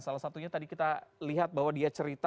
salah satunya tadi kita lihat bahwa dia cerita